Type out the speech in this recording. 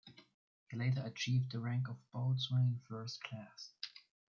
He later achieved the rank of Boatswain First Class.